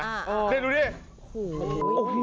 นี่ดูดิ